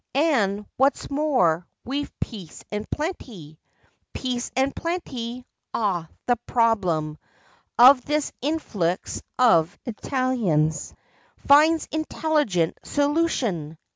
And, what's more, we've peace and plenty Peace and plenty! Ah, the problem Of this influx of Italians Finds intelligent solution!